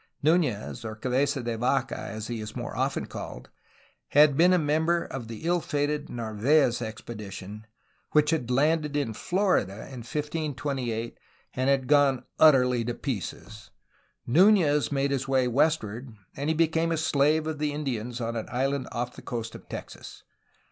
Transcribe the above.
Nunez, or Cabeza de Vaca as he is more often called, had been a member of the ill fated Narvd; ez expedition, which had landed in Florida in 1528 and had gone utterly to pieces. Nunez made his way westward, and became a slave of the Indians on an island off the coast of Texas.